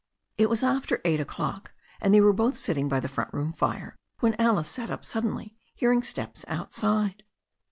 It was after eight o'clock, and they were both sitting by the front room fire, when Alice sat up suddenly, hearing steps outside.